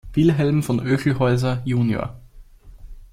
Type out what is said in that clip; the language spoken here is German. Wilhelm von Oechelhäuser jun.